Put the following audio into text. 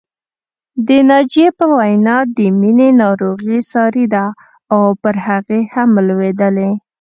د ناجيې په وینا د مینې ناروغي ساري ده او پر هغې هم لوېدلې